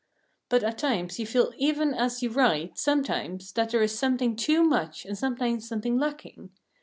But at times you feel even as you write, sometimes, that there is something too much and sometimes something lacking.